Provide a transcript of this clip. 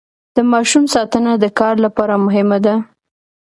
د ماشوم ساتنه د کار لپاره مهمه ده.